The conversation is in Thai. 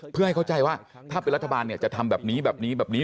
เพื่อให้เข้าใจว่าถ้าเป็นรัฐบาลจะทำแบบนี้แบบนี้แบบนี้